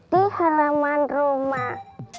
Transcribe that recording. di halaman rumah